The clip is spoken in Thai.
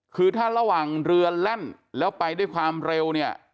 คือถ้าระหว่างเรือแล่นแล้วไปด้วยความเร็วเนี่ย